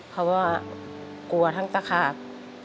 เพราะว่ากลัวทั้งตะขาบ